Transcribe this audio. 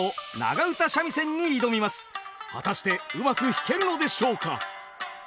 果たしてうまく弾けるのでしょうか。